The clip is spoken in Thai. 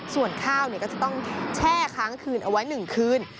ส่วนข้าวก็จะต้องแช่ค้างคืนเอาไว้๑คืน